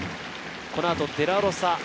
この後、デラロサ。